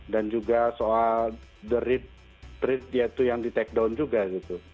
dan juga soal tweet yang di take down juga gitu